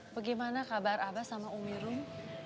bagaimana kabar abah sama umi rumi